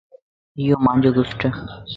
ايو مانجو گفٽ